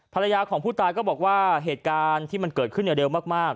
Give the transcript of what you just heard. ภรรยาของผู้ตายก็บอกว่าเหตุการณ์ที่มันเกิดขึ้นเร็วมาก